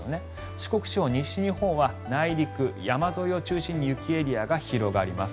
四国地方、西日本は内陸、山沿いを中心に雪エリアが広がります。